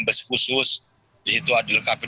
bus khusus yaitu adil kapir